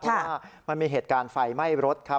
เพราะว่ามันมีเหตุการณ์ไฟไหม้รถครับ